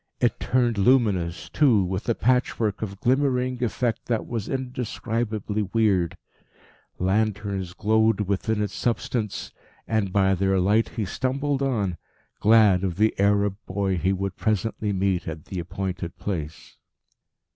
It turned luminous too, with a patchwork of glimmering effect that was indescribably weird; lanterns glowed within its substance, and by their light he stumbled on, glad of the Arab boy he would presently meet at the appointed place.